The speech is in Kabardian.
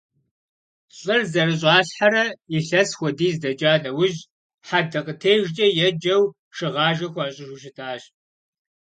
ЛӀыр зэрыщӀалъхьэрэ илъэс хуэдиз дэкӀа нэужь, хьэдэкъытежкӀэ еджэу шыгъажэ хуащӀыжу щытащ.